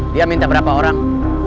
dia minta berapa orang